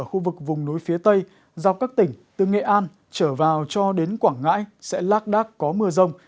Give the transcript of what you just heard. ở khu vực vùng núi phía tây dọc các tỉnh từ nghệ an trở vào cho đến quảng ngãi sẽ lác đác có mưa rông